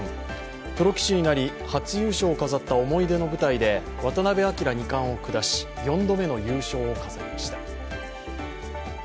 プロ棋士になり初優勝を飾った思い出の舞台で渡辺明二冠を下し４度目の優勝を飾りました。